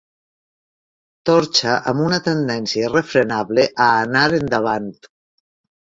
Torxa amb una tendència irrefrenable a anar endavant.